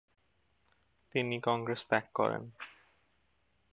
তিনি কংগ্রেস ত্যাগ করেন।